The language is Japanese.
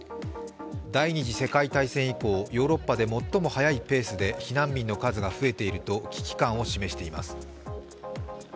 第二次世界大戦以降、ヨーロッパで最も早いペースで避難民の数が増えていると危機感を示しています。